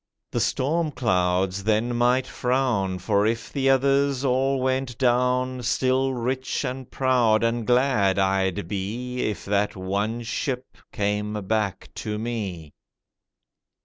the storm clouds then might frown For if the others all went down, Still rich and proud and glad I'd be If that one ship came back to me.